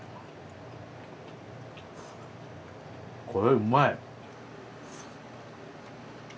これうまい。